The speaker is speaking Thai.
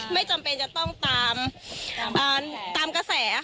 ไม่จำเป็นจะต้องตามกระแส